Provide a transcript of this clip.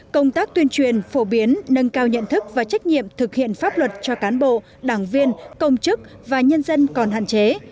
công tác tuyên truyền phổ biến nâng cao nhận thức và trách nhiệm thực hiện pháp luật cho cán bộ đảng viên công chức và nhân dân còn hạn chế